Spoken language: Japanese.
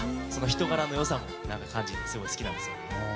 人柄の良さを感じてすごい好きなんですよね。